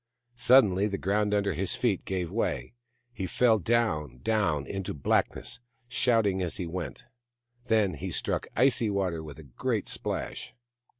Suddenly the ground under his feet gave way. He fell, down, down, into blackness, shouting as he went ; then he struck icy water with a great splash.